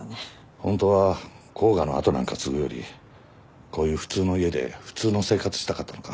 ホントは甲賀の跡なんか継ぐよりこういう普通の家で普通の生活したかったのか？